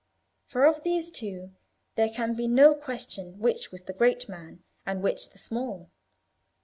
For of these two there can be no question which was the great man and which the small.